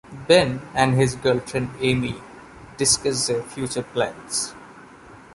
Ben and his girlfriend Amy discuss their future plans.